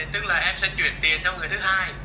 tức là em sẽ chuyển tiền cho người thứ hai